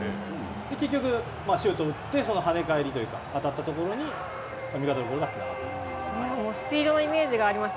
結局、シュートを打ってそのはね返りというか当たったところに味方のゴールへとつながっていく。